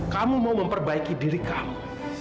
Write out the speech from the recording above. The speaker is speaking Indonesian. kamu mau memperbaiki diri kamu